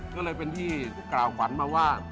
ก็เลยเป็นที่กล่าวฝันมาว่า